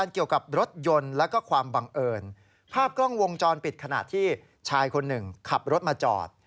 กล้องวงจรปิดขนาดที่ชายคนหนึ่งขับรถมาจอด